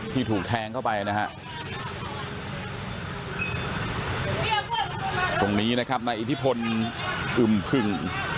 ถูกแทงเข้าไปนะฮะตรงนี้นะครับนายอิทธิพลอึมผึ่ง